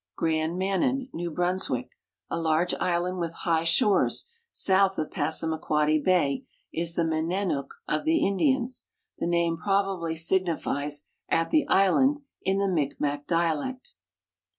Grand Manan, New Brunswick, a large island with high shores, south of Passamaquoddy bay, is the Menaniik of the Indians. The name probably signifies "at the island" in the Micmac dialect.